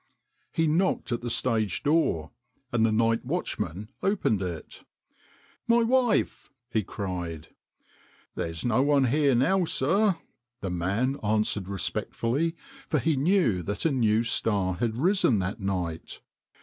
He knocked at the stage door, and the night watchman opened it. "My wife? "he cried. "There's no one here now, sir," the man answered respectfully, for he knew that a new star had risen that night.